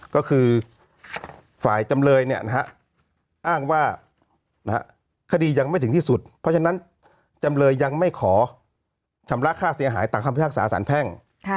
ก็คือฝ่ายจำเลยอ้างว่าคดียังไม่ถึงที่สุดเพราะฉะนั้นจำเลยยังไม่ขอชำระค่าเสียหายตามคำพิพากษาสารแพ่ง